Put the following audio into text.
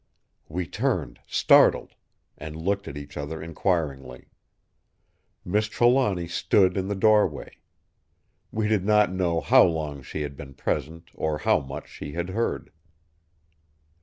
We turned, startled; and looked at each other inquiringly. Miss Trelawny stood in the doorway. We did not know how long she had been present, or how much she had heard.